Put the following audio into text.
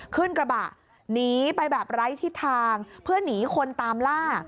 ขึ้นกระบะหนีไปแบบไร้ทิศทางเพื่อหนีคนตามล่า